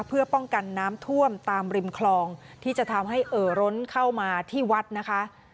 เพื่อป้องกันน้ำท่วมตามริมคลองที่จะทำให้เอ่อร้นเข้ามาที่วัดนะคะ